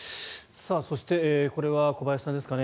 そして、これは小林さんですかね。